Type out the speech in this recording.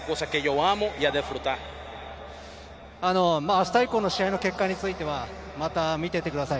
明日以降の試合の結果についてはまた見ていてください。